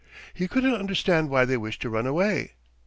He couldn't understand why they wished to run away.